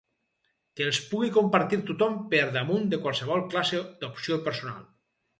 Que els pugui compartir tothom per damunt de qualsevol classe d’opció personal.